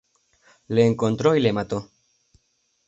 Le encontró y le mató.